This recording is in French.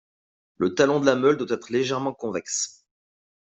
Le talon de la meule doit être légèrement convexe.